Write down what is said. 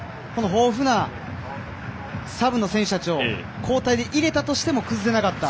豊富なサブの選手たちも交代で入れたとしても崩せなかった。